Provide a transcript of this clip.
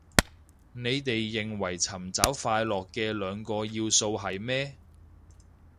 你哋認為尋找快樂嘅兩個要素係咩